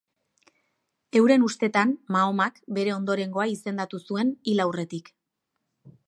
Euren ustetan Mahomak bere ondorengoa izendatu zuen hil aurretik.